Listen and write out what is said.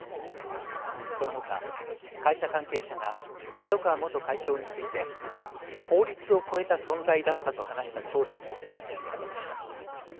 このほか会社関係者が角川元会長について法律を超えた存在だったと話した調書も読み上げられました。